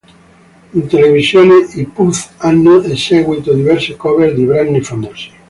In televisione i Pooh hanno eseguito diverse cover di brani famosi.